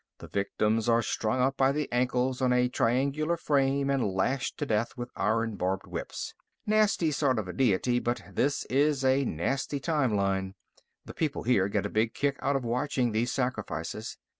The victims are strung up by the ankles on a triangular frame and lashed to death with iron barbed whips. Nasty sort of a deity, but this is a nasty time line. The people here get a big kick out of watching these sacrifices.